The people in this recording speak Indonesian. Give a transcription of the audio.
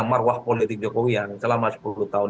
marwah politik jokowi yang selama sepuluh tahun